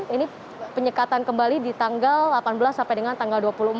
ini penyekatan kembali di tanggal delapan belas sampai dengan tanggal dua puluh empat